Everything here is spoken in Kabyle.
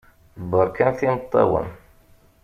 Beṛkamt imeṭṭawen.